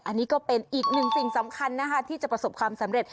อันนี้ก็เป็นอีกหนึ่งสิ่งสำคัญนะคะที่จะประสบความสำเร็จ